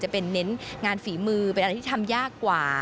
เป็นเน้นงานฝีมือเป็นอะไรที่ทำยากกว่า